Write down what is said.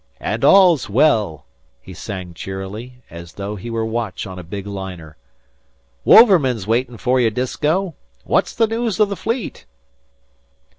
"And all's well!" he sang cheerily, as though he were watch on a big liner. "Wouverman's waiting fer you, Disko. What's the news o' the Fleet?"